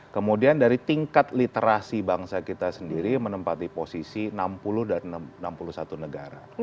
kemudian dari tingkat literasi bangsa kita sendiri menempati posisi enam puluh dari enam puluh satu negara